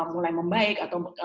mulai membaik atau